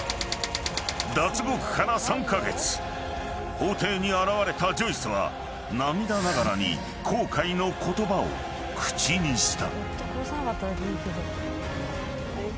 ［法廷に現れたジョイスは涙ながらに後悔の言葉を口にした］